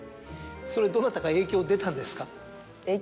それどなたか影響出たんですか？